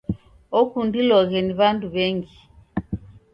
Okundiloghe ni w'andu w'engi.